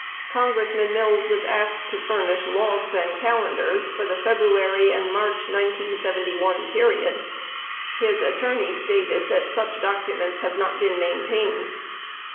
Congressman Mills was asked to furnish logs and calendars for the February March, 1971 period. His attorney stated that such docu ments have not been maintained.